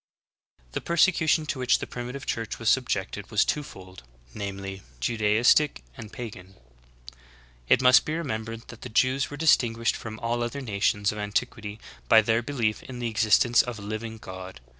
7. The persecution to which the Primitive Ciiurch was subjected was two fold; viz. Judaistic and pagan. It must be remembered that the Jews were distinguished from all other nations of antiquity by their belief in the existence of a living God.